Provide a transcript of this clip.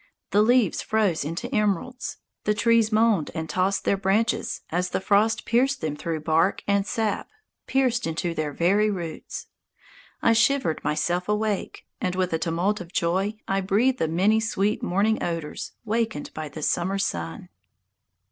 The leaves froze into emeralds. The trees moaned and tossed their branches as the frost pierced them through bark and sap, pierced into their very roots. I shivered myself awake, and with a tumult of joy I breathed the many sweet morning odours wakened by the summer sun.